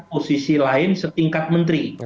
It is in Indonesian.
posisi lain setingkat menteri